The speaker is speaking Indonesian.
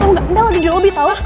tau gak nda lagi di lobby tau gak